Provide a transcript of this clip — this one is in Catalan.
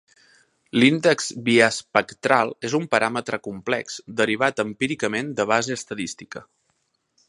L'índex biespectral és un paràmetre complex derivat empíricament de base estadística.